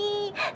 saya ibu remi